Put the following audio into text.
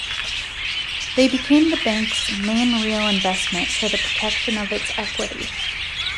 They became the bank's main real investment for the protection of its equity.